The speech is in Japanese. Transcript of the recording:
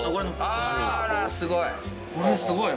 ・あらすごい。